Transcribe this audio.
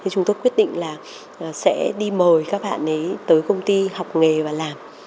chúng tôi sẽ đi mời các bạn ấy tới công ty học nghề và làm